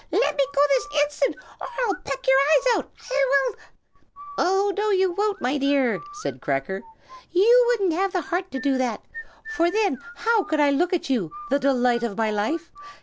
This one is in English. Let me go this instant, or I'll peck your eyes out! I will " "Oh, no, you won't, my dear!" said Cracker. "You wouldn't have the heart to do that; for then how could I look at you, the delight of my life?